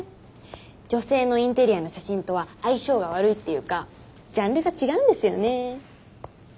女性のインテリアの写真とは相性が悪いっていうかジャンルが違うんですよねー。